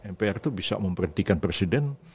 mpr itu bisa memperhentikan presiden